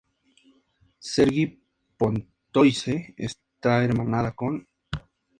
Cergy-Pontoise está hermanada con